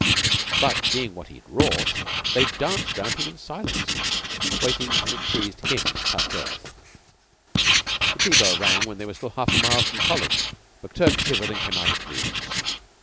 But seeing what he had wrought, they danced round him in silence, waiting till it pleased him to touch earth. The tea bell rang when they were still half a mile from College. McTurk shivered and came out of dreams.